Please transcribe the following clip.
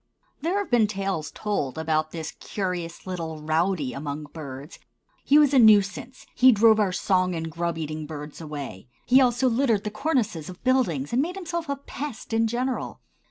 There have been tales told about this curious little rowdy among birds. He was a nuisance; he drove our song and grub eating birds away; he also littered the cornices of buildings and made of himself a pest in general.